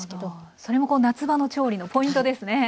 それも夏場の調理のポイントですね。